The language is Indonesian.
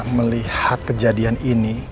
melihat kejadian ini